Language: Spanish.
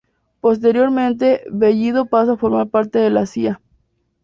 Posteriormente, Bellido pasa a formar parte de la Cía.